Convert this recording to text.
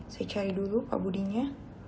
saya cari dulu pak budinya